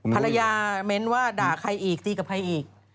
เม้นว่าด่าใครอีกตีกับใครอีก